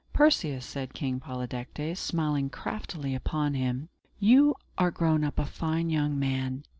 "Perseus," said King Polydectes, smiling craftily upon him, "you are grown up a fine young man.